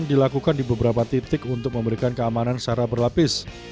dilakukan di beberapa titik untuk memberikan keamanan secara berlapis